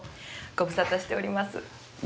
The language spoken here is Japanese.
ご無沙汰してます。